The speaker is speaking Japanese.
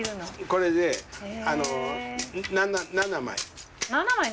これで７枚。